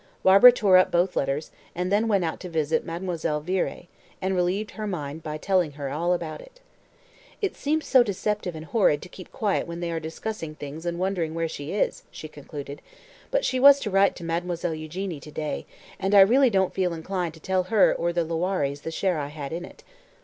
Barbara tore up both letters, and then went out to visit Mademoiselle Viré, and relieved her mind by telling her all about it. "It seems so deceptive and horrid to keep quiet when they are discussing things and wondering where she is," she concluded. "But she was to write to Mademoiselle Eugénie to day, and I really don't feel inclined to tell her or the Loirés the share I had in it."